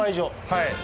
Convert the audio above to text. はい。